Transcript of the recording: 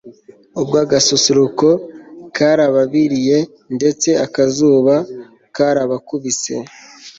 ubwo agasusuruko karababiriye ndetse akazuba karamukubise